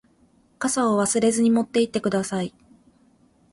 傘を忘れずに持って行ってください。